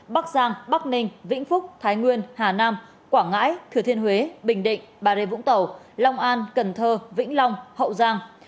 bắc giang bắc ninh vĩnh phúc thái nguyên hà nam quảng ngãi thừa thiên huế bình định bà rê vũng tàu long an cần thơ vĩnh long hậu giang